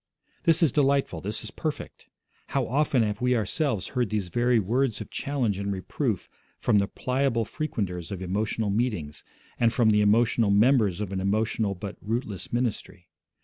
This is delightful, this is perfect. How often have we ourselves heard these very words of challenge and reproof from the pliable frequenters of emotional meetings, and from the emotional members of an emotional but rootless ministry.